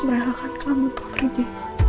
merelakan kamu untuk pergi